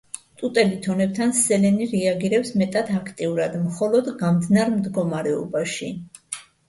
ტუტე ლითონებთან სელენი რეაგირებს მეტად აქტიურად მხოლოდ გამდნარ მდგომარეობაში.